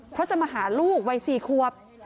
เพราะจะมาหาลูกวัย๔ควบ